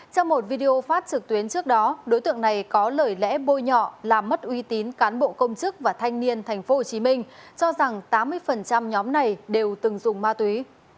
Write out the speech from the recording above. trong một video phát trực tuyến trước đó đối tượng này có lời lẽ bôi nhọ làm mất uy tín cán bộ công chức và thanh niên tp hcm cho rằng tám mươi nhóm này đều từng dùng ma túy